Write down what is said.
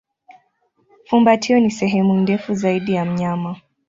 Fumbatio ni sehemu ndefu zaidi ya mnyama.